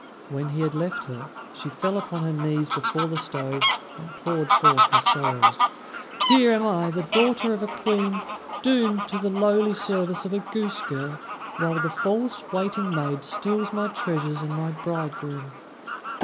When he had left her, she fell upon her knees before the stove and poured forth her sorrows: "Here am I, the daughter of a Queen, doomed to the lowly service of a goose girl, while the false waiting maid steals my treasures and my bridegroom."